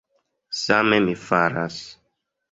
Same mi faras.